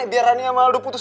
biar rania sama aldo putus